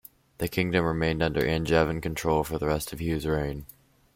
The kingdom remained under Angevin control for the rest of Hugh's reign.